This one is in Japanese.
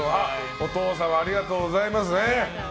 お父さんもありがとうございます。